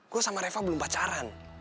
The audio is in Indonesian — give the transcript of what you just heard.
gue sama reva belum pacaran